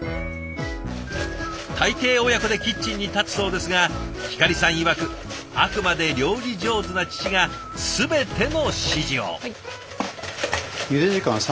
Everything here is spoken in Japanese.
大抵親子でキッチンに立つそうですがひかりさんいわくあくまで料理上手な父が全ての指示を。